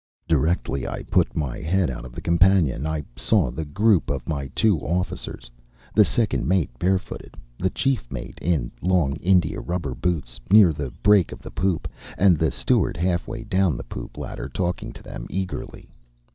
Directly I put my head out of the companion I saw the group of my two officers, the second mate barefooted, the chief mate in long India rubber boots, near the break of the poop, and the steward halfway down the poop ladder talking to them eagerly.